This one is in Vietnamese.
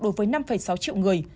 đối với năm sáu triệu người